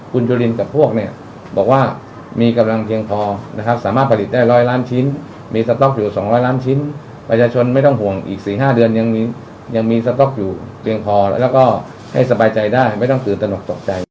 คุณจุลินกับพวกเนี่ยบอกว่ามีกำลังเพียงพอนะครับสามารถผลิตได้ร้อยล้านชิ้นมีสต๊อกอยู่๒๐๐ล้านชิ้นประชาชนไม่ต้องห่วงอีก๔๕เดือนยังมีสต๊อกอยู่เพียงพอแล้วก็ให้สบายใจได้ไม่ต้องตื่นตนกตกใจ